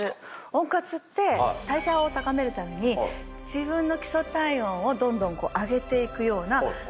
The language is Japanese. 温活って代謝を高めるために自分の基礎体温をどんどん上げていくような活動。